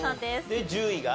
で１０位が。